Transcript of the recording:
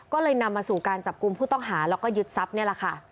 ก็เลยนำมาสู่การจับกลุ่มผู้ต้องหาแล้วก็ยึดทรัพย์นี่แหละค่ะ